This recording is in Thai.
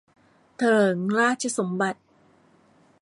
เถลิงราชสมบัติ